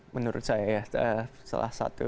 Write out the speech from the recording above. menurut saya salah satu